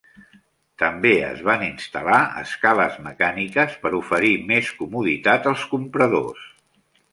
També es van instal·lar escales mecàniques per oferir més comoditat als compradors.